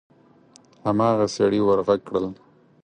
هماغه سړي ور غږ کړل: